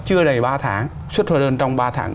chưa đầy ba tháng xuất hóa đơn trong ba tháng